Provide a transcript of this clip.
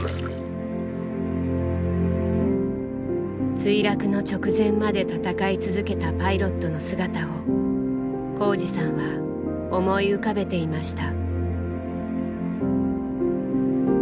墜落の直前まで戦い続けたパイロットの姿を幸治さんは思い浮かべていました。